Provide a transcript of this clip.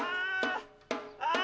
ああ！